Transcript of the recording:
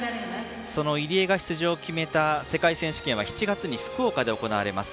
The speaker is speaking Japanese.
その入江が出場を決めた世界選手権は７月に福岡で行われます。